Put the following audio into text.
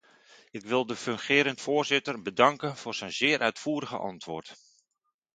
Ik wil de fungerend voorzitter bedanken voor zijn zeer uitvoerige antwoord.